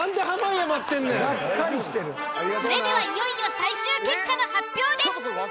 それではいよいよ最終結果の発表です。